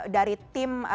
dari tim dinkes